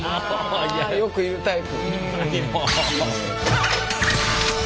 あよくいるタイプ！